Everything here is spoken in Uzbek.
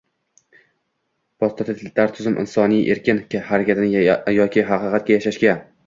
posttotalitar tuzum insoniy erkin harakatni yoki “haqiqatda yashash”ga